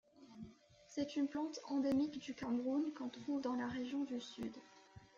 C'est une plante endémique du Cameroun qu'on trouve dans la région du Sud.